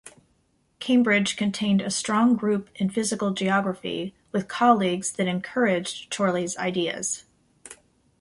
Cambridge contained a strong group in physical geography with colleagues that encouraged Chorley's ideas.